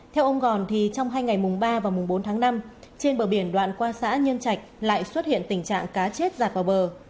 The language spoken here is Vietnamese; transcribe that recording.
theo ông còn trong hai ngày mùng ba và mùng bốn tháng năm trên bờ biển đoạn qua xã nhân trạch lại xuất hiện tình trạng cá chết giạt vào bờ